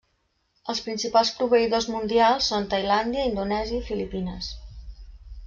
Els principals proveïdors mundials són Tailàndia, Indonèsia i Filipines.